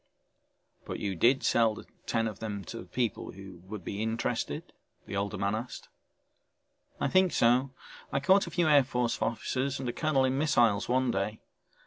"But you did sell the ten of them to people who would be interested?" the older man asked. "I think so, I caught a few Air Force officers and a colonel in missiles one day.